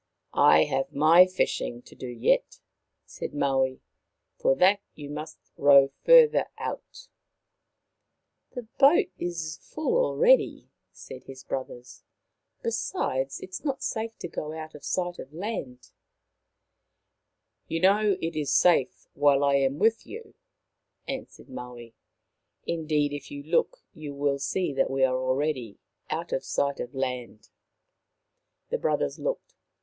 I have my fishing to do yet," said Maui. " For that you must row further out." " The boat is full already," said his brothers. 11 Besides, it is not safe to go out of sight of land." " You know it is safe while I am with you," More about Maui 93 answered Maui. " Indeed, if you look you will see that we are already out of sight of land." The brothers looked.